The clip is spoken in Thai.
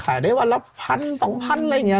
ยังไงขายได้วันละ๑๐๐๐๒๐๐๐อะไรแบบนี้เงี้ย